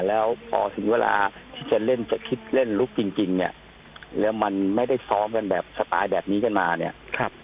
แล้วพอถึงเวลาที่จะเล่นจะคิดเล่นลุกจริงเนี่ยแล้วมันไม่ได้ซ้อมกันแบบสไตล์แบบนี้ขึ้นมาเนี่ย